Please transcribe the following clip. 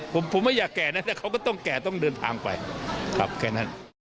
ผมผมไม่อยากแก่นะแต่เขาก็ต้องแก่ต้องเดินทางไปครับแค่นั้น